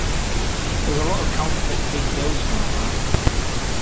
There's a lot of counterfeit big bills going around.